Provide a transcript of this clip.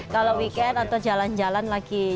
kalau weekend atau jalan jalan lagi